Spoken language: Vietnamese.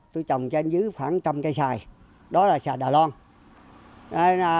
tôi trồng trên dưới khoảng một trăm linh cây xoài đó là xoài đài loan